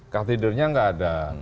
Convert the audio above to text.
kartidernya tidak ada